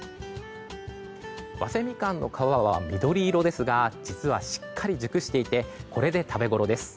早生みかんの皮は緑色ですが実はしっかり熟していてこれで食べごろです。